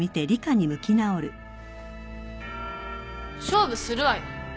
勝負するわよ。